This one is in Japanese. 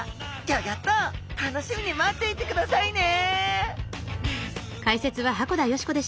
ギョギョッと楽しみに待っていてくださいね！